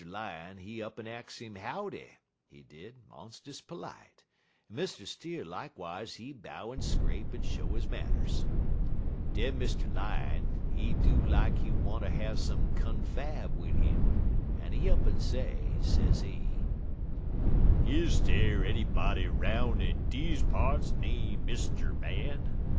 Lion, he up'n ax 'im howdy, he did, monst'us perlite, en Mr. Steer likewise he bow en scrape en show his manners. Den Mr. Lion, he do lak he wanter have some confab wid 'im, en he up'n say, sezee: "'Is dey anybody 'roun' in deze parts name Mr. Man?'